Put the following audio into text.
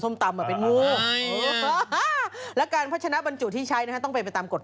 มันจะเหมือนแอนชีวีไหมคะ